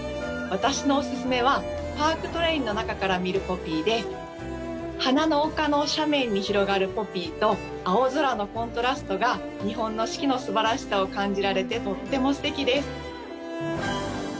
私のおすすめはパークトレインの中から見るポピーで花の丘の斜面に広がるポピーと青空のコントラストが日本の四季の素晴らしさを感じられて、とっても素敵です。